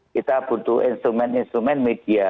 kita butuh instrumen instrumen media